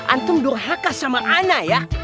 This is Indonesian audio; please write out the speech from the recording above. antum durhaka sama anak ya